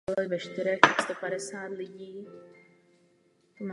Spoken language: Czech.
Přestavbu provedla firma Multiplex Construction.